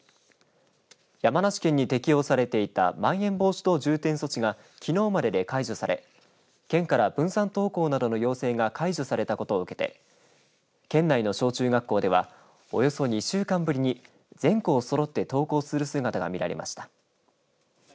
山梨県に適用されていたまん延防止等重点措置がきのうまでで解除され県から分散登校などの要請が解除されたことを受けて県内の小中学校ではおよそ２週間ぶりに全校そろって登校する姿が見られました。